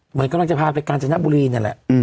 เหมือนกำลังจะพาไปกาญจนบุรีนั่นแหละ